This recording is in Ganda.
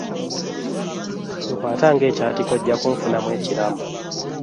Nkwata ng'ekyatika ojja kunfunamu ekiramu.